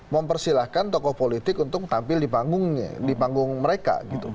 mempersilahkan tokoh politik untuk tampil di panggung mereka